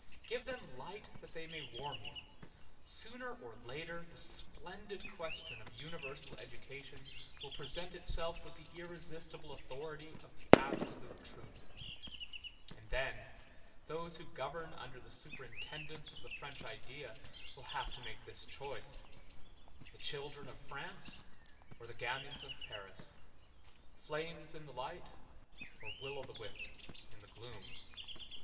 Give them light that they may warm you. Sooner or later the splendid question of universal education will present itself with the irresistible authority of the absolute truth; and then, those who govern under the superintendence of the French idea will have to make this choice; the children of France or the gamins of Paris; flames in the light or will o' the wisps in the gloom.